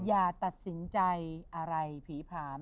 อย่าตัดสินใจอะไรผีผาม